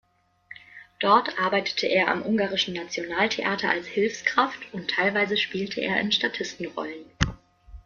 Dort arbeitete er am Ungarischen Nationaltheater als Hilfskraft und teilweise spielte er in Statistenrollen.